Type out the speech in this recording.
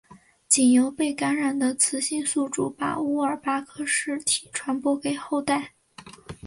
仅由被感染的雌性宿主把沃尔巴克氏体传播给后代。